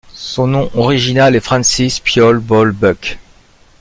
Son nom original est Francis Piol Bol Buk.